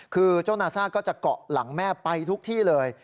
คือเจ้านาซ่าก็จะเกาะหลังแม่ไปทุกที่เลย